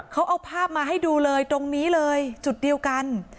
เขาเอาภาพมาให้ดูเลยตรงนี้เลยจุดเดียวกัน